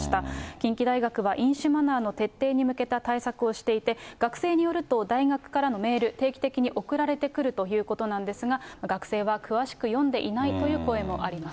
近畿大学は飲酒マナーの徹底に向けた対策をしていて、学生によると、大学からのメール、定期的に送られてくるということなんですが、学生は詳しく読んでいないという声もあります。